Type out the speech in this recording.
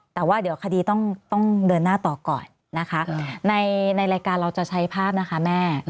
แต่ว่าเดี๋ยวคดีต้องเดินหน้าต่อก่อนนะคะในรายการเราจะใช้ภาพนะคะแม่